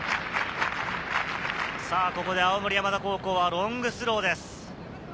ここで青森山田高校はロングスローです。